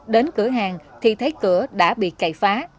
đến cửa hàng thì thấy cửa đã bị cày phá